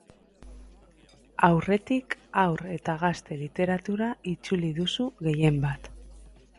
Aurretik haur eta gazte literatura itzuli duzu gehienbat.